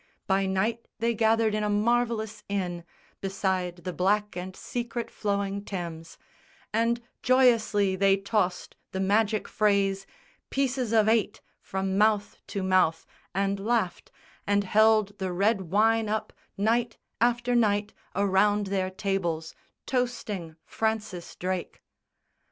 By night they gathered in a marvellous inn Beside the black and secret flowing Thames; And joyously they tossed the magic phrase "Pieces of eight" from mouth to mouth, and laughed And held the red wine up, night after night, Around their tables, toasting Francis Drake.